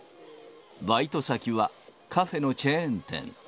バイト先は、カフェのチェーン店。